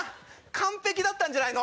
完璧だったんじゃないの？